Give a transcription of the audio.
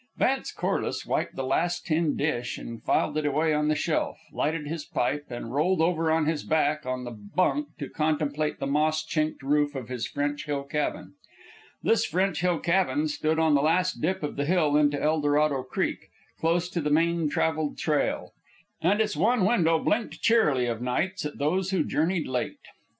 Vance Corliss wiped the last tin dish and filed it away on the shelf, lighted his pipe, and rolled over on his back on the bunk to contemplate the moss chinked roof of his French Hill cabin. This French Hill cabin stood on the last dip of the hill into Eldorado Creek, close to the main travelled trail; and its one window blinked cheerily of nights at those who journeyed late.